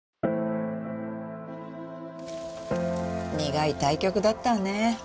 苦い対局だったわね。